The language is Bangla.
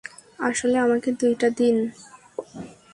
আসলে, আমাকে দুইটা দিন।